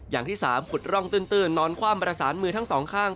อย่างที่๓ขุดร่องตื้นนอนคว่ำประสานมือทั้งสองข้าง